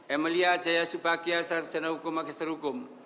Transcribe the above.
emilia jaya subagia sarjana hukum magisterikum